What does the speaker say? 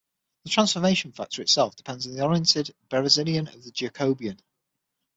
The transformation factor itself depends on the oriented Berezinian of the Jacobian.